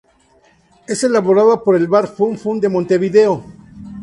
Es elaborada por el Bar Fun Fun de Montevideo.